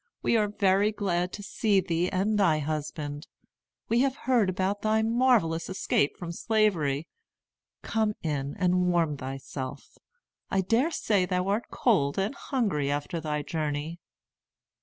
We are very glad to see thee and thy husband. We have heard about thy marvellous escape from Slavery. Come in and warm thyself. I dare say thou art cold and hungry after thy journey."